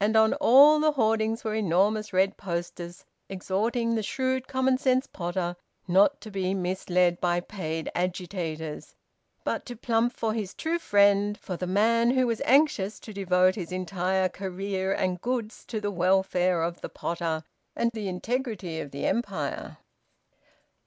And on all the hoardings were enormous red posters exhorting the shrewd common sense potter not to be misled by paid agitators, but to plump for his true friend, for the man who was anxious to devote his entire career and goods to the welfare of the potter and the integrity of the Empire.